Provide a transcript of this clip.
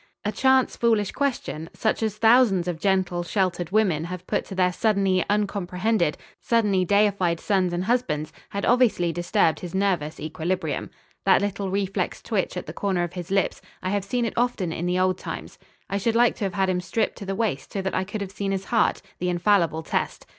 A chance foolish question, such as thousands of gentle, sheltered women have put to their suddenly uncomprehended, suddenly deified sons and husbands, had obviously disturbed his nervous equilibrium. That little reflex twitch at the corner of his lips I have seen it often in the old times. I should like to have had him stripped to the waist so that I could have seen his heart the infallible test.